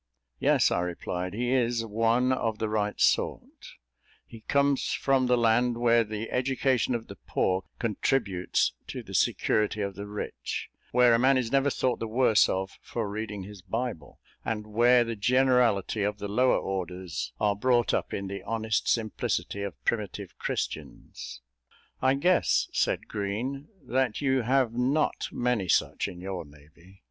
"Yes," I replied, "he is one of the right sort he comes from the land where the education of the poor contributes to the security of the rich; where a man is never thought the worse of for reading his Bible, and where the generality of the lower orders are brought up in the honest simplicity of primitive Christians." "I guess," said Green, "that you have not many such in your navy."